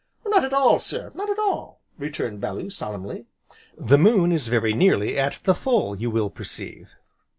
"Not at all, sir not at all," returned Bellew solemnly, "the moon is very nearly at the full, you will perceive."